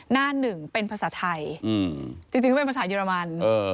หน้าหนึ่งเป็นภาษาไทยจริงก็เป็นภาษาเยอรมัน